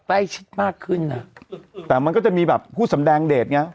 ใกล้ชิดมากขึ้นน่ะแต่มันก็จะมีแบบผู้สำแดงเดทไง